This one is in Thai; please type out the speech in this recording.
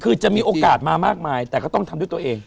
คือจะมีโอกาสมามากมายแต่ก็ต้องทำด้วยตัวเอง